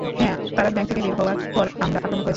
হ্যাঁ, তারা ব্যাংক থেকে বের হওয়ার পর আমরা আক্রমন করেছিলাম।